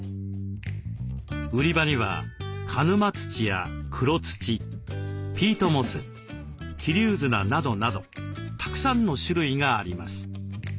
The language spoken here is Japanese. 売り場には鹿沼土や黒土ピートモス桐生砂などなどたくさんの種類があります。